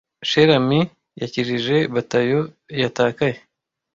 Cher Ami yakijije Batayo Yatakaye